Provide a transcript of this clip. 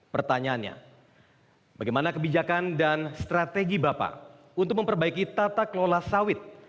pertanyaannya bagaimana kebijakan dan strategi bapak untuk memperbaiki tata kelola sawit